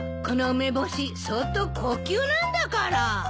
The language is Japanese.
この梅干し相当高級なんだから。